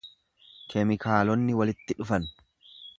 Keemikaalonni walitti dhufan.